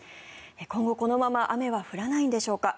今後、このまま雨は降らないのでしょうか。